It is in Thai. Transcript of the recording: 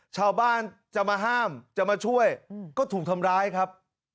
ชาวบ้านจะมาห้ามจะมาช่วยก็ถูกทำร้ายครับ